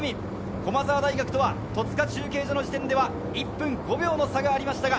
駒澤大学とは戸塚中継所の時点で１分５秒の差がありました。